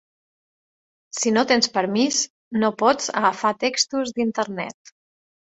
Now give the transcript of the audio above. Si no tens permís, no pots agafar textos d'internet.